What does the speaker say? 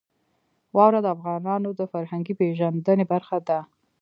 واوره د افغانانو د فرهنګي پیژندنې برخه ده.